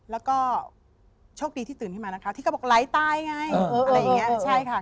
แล้วก็โชคดีที่ตื่นขึ้นมานะคะที่เขาบอกไหลตายไงอะไรอย่างนี้ใช่ค่ะ